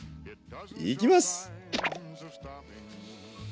いきます！